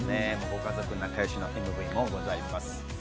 ご家族、仲よしな面もございます。